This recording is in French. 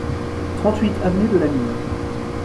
trente-huit avenue de la Mine